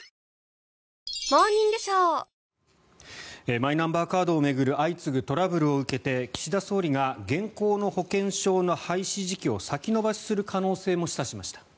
マイナンバーカードを巡る相次ぐトラブルを受けて岸田総理が現行の保険証の廃止時期を先延ばしする可能性も示唆しました。